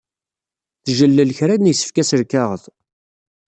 Tjellel kra n yisefka s lkaɣeḍ.